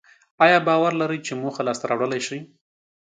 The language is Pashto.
ایا باور لرئ چې موخه لاسته راوړلای شئ؟